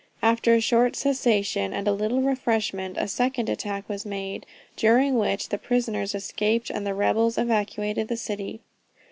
After a short cessation and a little refreshment, a second attack was made, during which the prisoners escaped and the rebels evacuated the city.